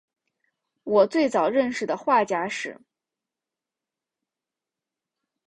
我最早认识的画家是